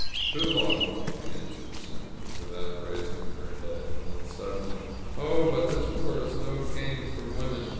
"Too long," she answered simply, without raising her head. And then suddenly, "Oh, but this war is no game for women!"